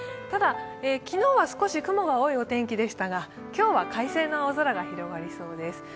ただ、昨日は少し雲が多いお天気でしたが、今日は快晴の青空が広がりそうです。